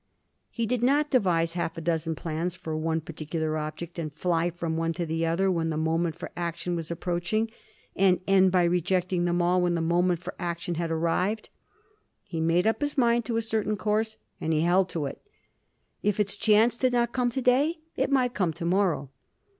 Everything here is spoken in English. He did not devise half a dozen plans for one particular object, and fly from one to the other when the moment for action was approaching, and end by rejecting them all when the moment for action had arrived. He made up his mind to a certain course, and he held to it ; if ita chance did not come to day, it might come to morrow.